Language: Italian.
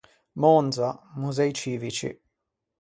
Monza, Musei Civici